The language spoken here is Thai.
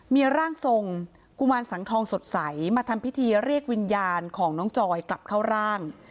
มีร่างทรงกุมารสังทองสดใสมาทำพิธีเรียกวิญญาณของน้องจอยกลับเข้าร่าง